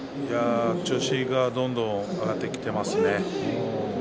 調子がどんどん上がってきていますよね。